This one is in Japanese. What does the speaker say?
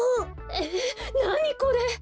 えっなにこれ？